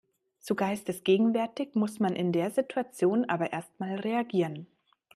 So geistesgegenwärtig muss man in der Situation aber erstmal reagieren.